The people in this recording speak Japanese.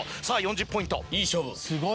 さぁ４０ポイントいい勝負。